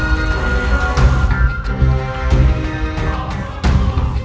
daripada keluarga ini yang hancur